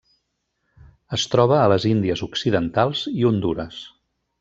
Es troba a les Índies Occidentals i Hondures.